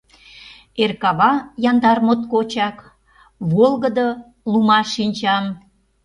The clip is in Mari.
Эр кава яндар моткочак, Волгыдо лума шинчам.